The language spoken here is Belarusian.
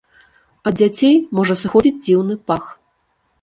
Ад дзяцей можа сыходзіць дзіўны пах.